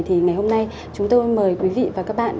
thì ngày hôm nay chúng tôi mời quý vị và các bạn